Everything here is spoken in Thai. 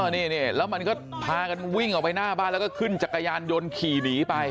นี่แล้วมันก็พากันวิ่งออกไปหน้าบ้านแล้วก็ขึ้นจักรยานยนต์ขี่หนีไป